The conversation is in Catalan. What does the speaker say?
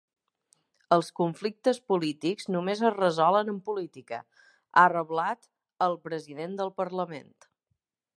Els conflictes polítics només es resolen amb política, ha reblat el president del parlament.